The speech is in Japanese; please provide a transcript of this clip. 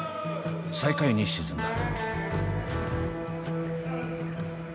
最下位に沈んだ。